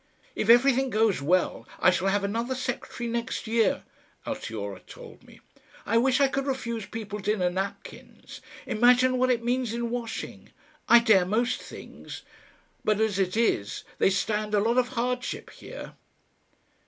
"If everything goes well I shall have another secretary next year," Altiora told me. "I wish I could refuse people dinner napkins. Imagine what it means in washing! I dare most things.... But as it is, they stand a lot of hardship here."